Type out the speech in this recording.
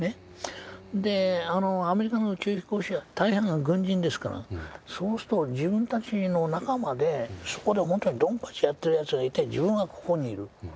でアメリカの宇宙飛行士は大半が軍人ですからそうすると自分たちの仲間でそこで本当にドンパチやってるやつがいて自分はここにいる。